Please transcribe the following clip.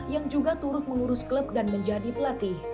yang juga turut mengurus klub dan menjadi pelatih